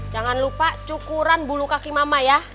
jangan lupa cukuran bulu kaki mama ya